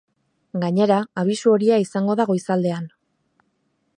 Gainera, abisu horia izango da goizaldean.